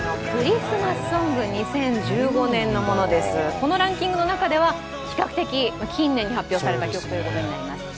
このランキングの中では比較的、近年に発表された曲ということになります。